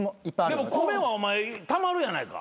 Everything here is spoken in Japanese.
でも米はたまるやないか。